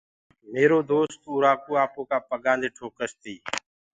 ميرو دوست اُرآ ڪوُ آپو ڪآ پگآندي توڪس تي۔